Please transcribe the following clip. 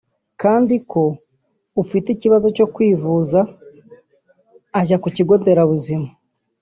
kandi ko ufite ikibazo cyo kwivuza ajya ku kigo nderabuzima